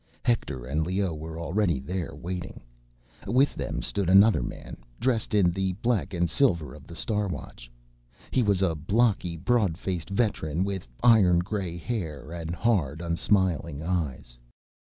Hector and Leoh were already there, waiting. With them stood another man, dressed in the black and silver of the Star Watch. He was a blocky, broad faced veteran with iron gray hair and hard, unsmiling eyes.